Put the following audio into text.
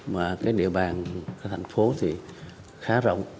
mà cái địa bàn thành phố thì khá rộng